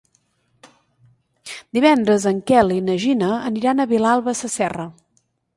Divendres en Quel i na Gina aniran a Vilalba Sasserra.